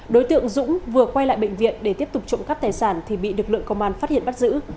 đối tượng dũng vừa quay lại bệnh viện để tiếp tục trộm cắp tài sản thì bị lực lượng công an phát hiện bắt giữ